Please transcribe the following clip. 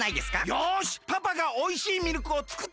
よしパパがおいしいミルクをつくってあげるね！